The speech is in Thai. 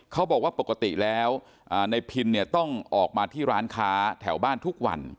เขาบอกว่าปกติแล้วในพินเนี่ยต้องออกมาที่ร้านค้าแถวบ้านทุกวัน